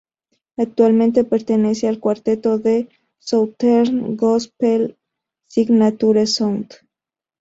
Actualmente pertenece al cuarteto de southern-gospel, Signature Sound.